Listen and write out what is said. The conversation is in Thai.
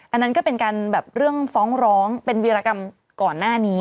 อันนั้นก็เป็นการแบบเรื่องฟ้องร้องเป็นวีรกรรมก่อนหน้านี้